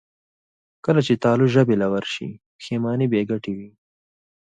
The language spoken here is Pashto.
کله چې تالو ژبې له ورشي، پښېماني بېګټې وي.